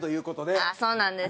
吉高：そうなんです。